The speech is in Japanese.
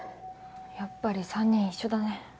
やっぱり３人一緒だね。